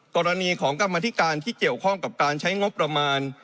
กรณีของกรรมธิการที่เกี่ยวข้องกับการใช้งบประมาณ